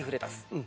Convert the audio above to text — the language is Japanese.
うん。